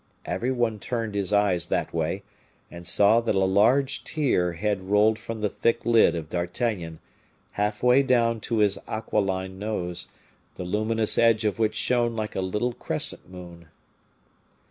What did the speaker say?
Every one turned his eyes that way, and saw that a large tear had rolled from the thick lid of D'Artagnan, half way down to his aquiline nose, the luminous edge of which shone like a little crescent moon.